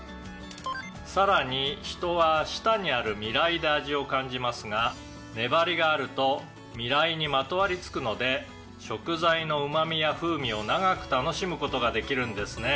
「さらに人は舌にある味蕾で味を感じますが粘りがあると味蕾にまとわりつくので食材のうまみや風味を長く楽しむ事ができるんですね」